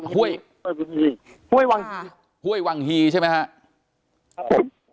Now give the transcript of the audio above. ห้วยห้วยวังฮีห้วยวังฮีใช่ไหมฮะครับผม